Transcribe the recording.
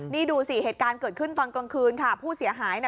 นี่ดูสิเหตุการณ์เกิดขึ้นตอนกลางคืนค่ะผู้เสียหาย